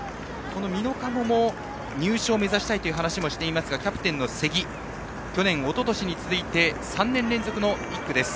美濃加茂も入賞を目指したいという話ですがキャプテンの瀬木去年、おととしに続いて３年連続の１区です。